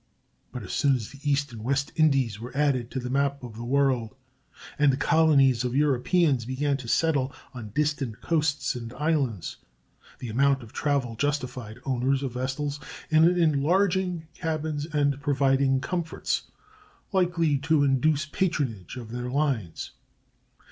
But as soon as the East and West Indies were added to the map of the world, and colonies of Europeans began to settle on distant coasts and islands, the amount of travel justified owners of vessels in enlarging cabins and providing comforts likely to induce patronage of their lines.